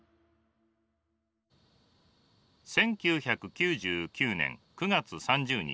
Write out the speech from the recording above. １９９９年９月３０日。